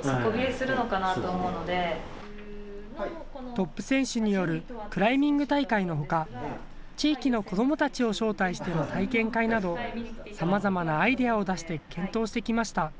トップ選手によるクライミング大会のほか、地域の子どもたちを招待しての体験会などさまざまなアイデアを出して検討してきました。